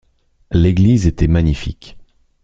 L'église était magnifique.